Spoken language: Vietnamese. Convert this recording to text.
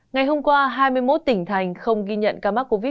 ngày hôm qua hai mươi một tỉnh thành không ghi nhận ca mắc covid một mươi chín